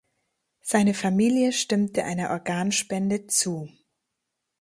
Seine Familie stimmte einer Organspende zu.